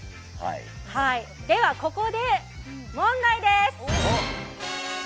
ではここで、問題です。